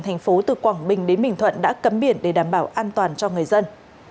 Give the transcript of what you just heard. thành phố từ quảng bình đến bình thuận đã cấm biển để đảm bảo an toàn cho người dân